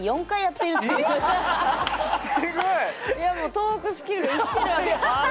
トークスキルも生きてるわけだ。